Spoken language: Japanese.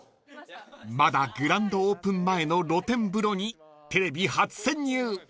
［まだグランドオープン前の露天風呂にテレビ初潜入］